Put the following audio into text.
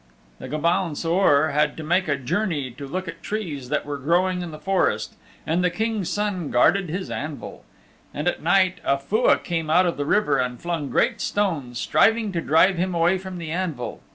The Gobaun Saor had to make a journey to look at trees that were growing in the forest, and the King's Son guarded his anvil. And at night a Fua came out of the river and flung great stones, striving to drive him away from the anvil.